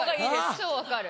超分かる。